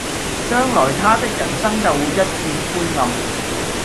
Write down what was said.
將來他的人生就會一片灰暗